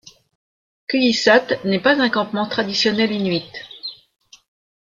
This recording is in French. Qullissat n'est pas un campement traditionnel inuit.